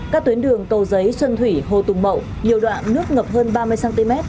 các tuyến đường cầu giấy xuân thủy hồ tùng mậu nhiều đoạn nước ngập hơn ba mươi cm